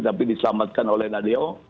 tapi diselamatkan oleh nadeo